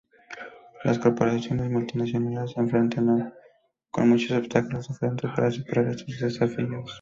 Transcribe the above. Las Corporaciones Multinacionales se enfrentan con muchos obstáculos diferentes para superar estos desafíos.